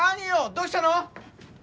どうしたの？